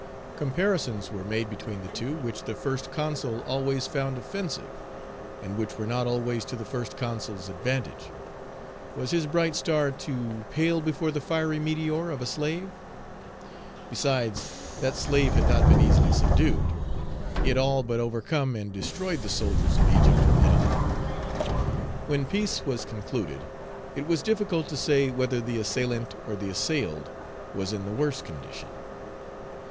Comparisons were made between the two which the First Consul always found offensive, and which were not always to the First Consul's advantage. Was his bright star to pale before the fiery meteor of a slave? Besides, that slave had not been easily subdued; he had all but overcome and destroyed the soldiers of Egypt and Italy. When peace was concluded, it was difficult to say whether the assailant or the assailed was in the worse condition.